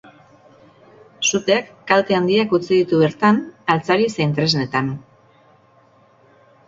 Suteak kalte handiak utzi ditu bertan, altzari zein tresnetan.